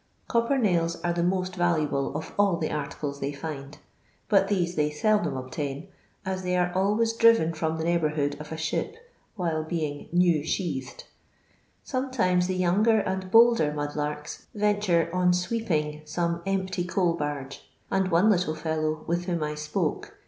Copper nails arc the most valuable of all the articles they find, but these tiiey seldom obtain, as they arc always driven from the neighbourhood of a ship while bei^ig new sheathi d. Sometimes the younger and bolder mud larks venture on sweeping some empty coal b. vge, and one little fellow with whom I spoke.